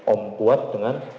om kuat dengan